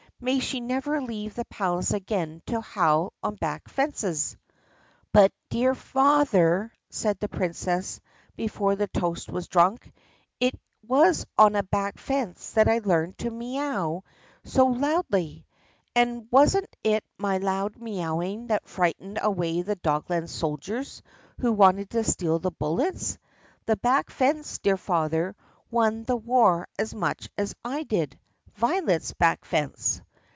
May she never leave the palace again to howl on back fences!" "But, dear Father," said the Princess before the toast was drunk, "it was on a back fence that I learned to mee ow so loudly. And was n't it my loud mee owing that frightened away the Dogland soldiers who wanted to steal the bullets? The back fence, dear Father, won the war as much as I did — Violet's back fence."